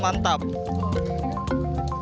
yang pasti tidak arogan